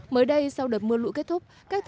mới đây sau đợt mưa lũ kết thúc